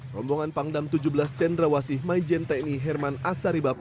rombongan pangdam tujuh belas cendrawasih maijen tni herman asaribab